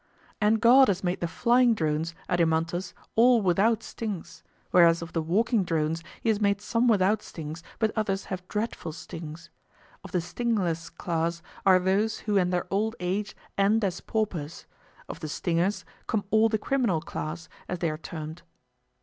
And God has made the flying drones, Adeimantus, all without stings, whereas of the walking drones he has made some without stings but others have dreadful stings; of the stingless class are those who in their old age end as paupers; of the stingers come all the criminal class, as they are termed.